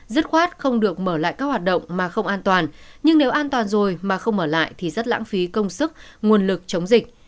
dứt khoát không được mở lại các hoạt động mà không an toàn nhưng nếu an toàn rồi mà không ở lại thì rất lãng phí công sức nguồn lực chống dịch